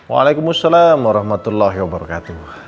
waalaikumsalam warahmatullahi wabarakatuh